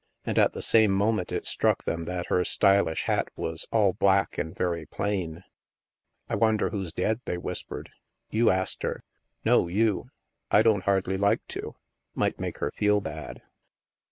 And, at the same moment, it struck them that her " stylish " hat was all black and very plain. STILL WATERS 9 " I wonder who's dead ?*' they whispered. " You ast her. No, you. I don't hardly like to. Might make her feel bad."